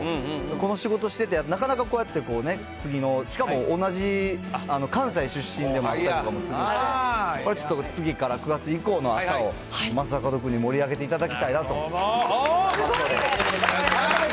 この仕事してて、なかなかこうやって次の、しかも同じ関西出身でもあったりとかするので、これはちょっと次から９月以降の朝を正門君に盛り上げていただきたいなと思いますので。